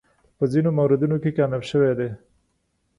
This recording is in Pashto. په ځینو موردونو کې کامیاب شوی دی.